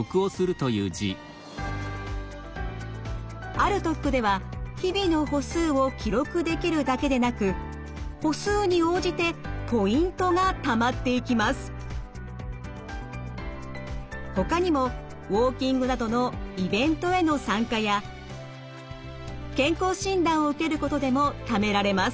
歩得では日々の歩数を記録できるだけでなくほかにもウォーキングなどのイベントへの参加や健康診断を受けることでもためられます。